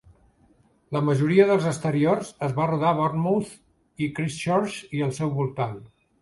La majoria dels exteriors es van rodar a Bournemouth i Christchurch i al seu voltant.